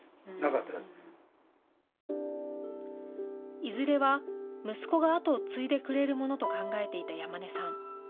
いずれは息子が跡を継いでくれるものと考えていた山根さん。